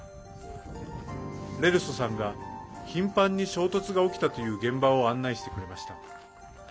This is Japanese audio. レルソさんが頻繁に衝突が起きたという現場を案内してくれました。